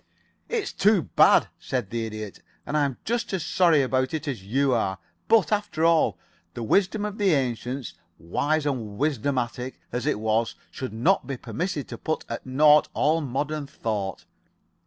"It is too bad," said the Idiot. "And I am just as sorry about it as you are; but, after all, the wisdom of the ancients, wise and wisdomatic as it was, should not be permitted to put at nought all modern thought.